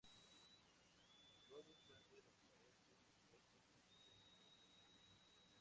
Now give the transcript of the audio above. Robin Zander aparece en diversos discos de otros artistas.